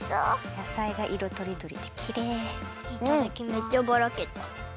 めっちゃばらけた。